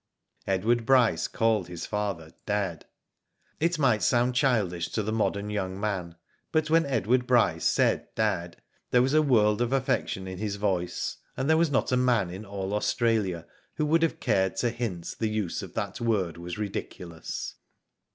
Edward Bryce called his father "dad.'* It may sound childish to the modern young man, but when Edward Bryce said dad '' there was a world of affection in his voice, and there was not a Digitized by Google MUNDA. 43 man in all Australia would have cared to hint the use of that word was ridiculous.